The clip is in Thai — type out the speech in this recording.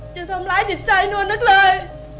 จะทำร้ายจิตใจหนูนึกเลย